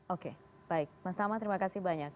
oke baik mas tama terima kasih banyak